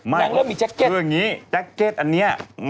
นางเริ่มมีแจ็คเก็ตคืออย่างนี้แจ็คเก็ตอันนี้